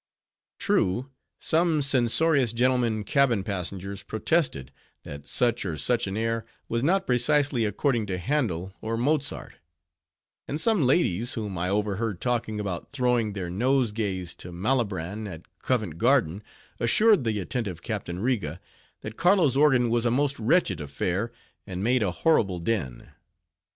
True, some censorious gentlemen cabin passengers protested, that such or such an air, was not precisely according to Handel or Mozart; and some ladies, whom I overheard talking about throwing their nosegays to Malibran at Covent Garden, assured the attentive Captain Riga, that Carlo's organ was a most wretched affair, and made a horrible din.